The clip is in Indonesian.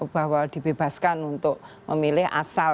bahwa dibebaskan untuk memilih asal